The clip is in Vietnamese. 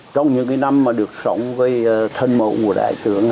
trong những năm mà được sống với thân mẫu của đại tướng